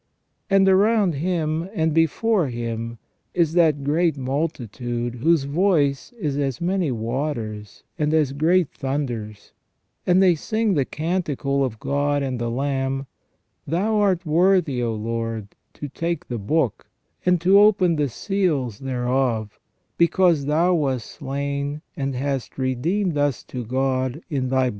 And around Him, and before Him, is that great multitude, whose voice is as many waters and as great thunders, as they sing the canticle of God and the Lamb: "Thou art worthy, O Lord, to take the book, and to open the seals thereof ; because Thou wast slain, and hast redeemed us to God, in Thy • OieCy c.